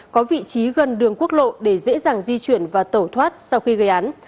có vị trí gần đường quốc lộ để dễ dàng di chuyển và tẩu thoát sau khi gây án